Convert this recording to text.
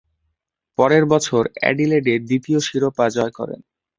পরের বছর অ্যাডিলেডে দ্বিতীয় শিরোপা জয় করেন।